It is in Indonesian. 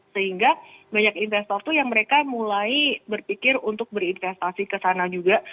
sehingga banyak investor tuh yang mereka mulai berpikir untuk berinvestasi ke sana juga